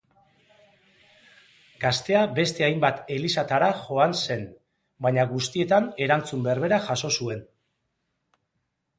Gaztea beste hainbat elizatara joan zen, baina guztietan erantzun berbera jaso zuen.